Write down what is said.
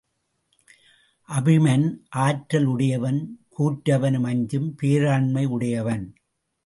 அபிமன் ஆற்றல் உடையவன் கூற்றுவனும் அஞ்சும் பேராண்மை உடையவன்.